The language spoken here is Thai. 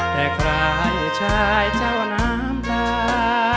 แต่ใครชายเจ้าน้ำตา